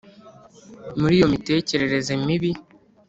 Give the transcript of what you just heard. muri iyo mitekerereze mibi